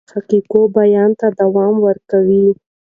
دی د حقایقو بیان ته دوام ورکوي.